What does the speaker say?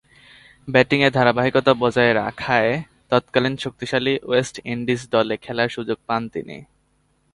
ব্যাটিংয়ে ধারাবাহিকতা বজায় রাখায় তৎকালীন শক্তিশালী ওয়েস্ট ইন্ডিজ দলে খেলার সুযোগ পান তিনি।